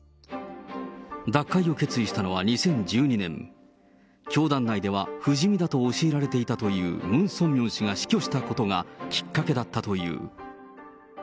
脱会を決意したのは２０１２年、教団内では不死身だと教えられていたというムン・ソンミョン氏が死去したことがきっかけだったという。